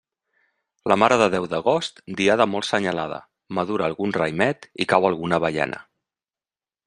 La Mare de Déu d'agost, diada molt senyalada; madura algun raïmet i cau alguna avellana.